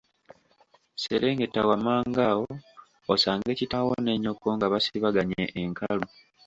Serengeta wammanga awo osange kitaawo ne nnyoko nga basibaganye enkalu.